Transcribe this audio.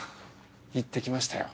行ってきましたよ